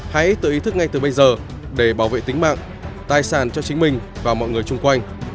hãy tự ý thức ngay từ bây giờ để bảo vệ tính mạng tài sản cho chính mình và mọi người chung quanh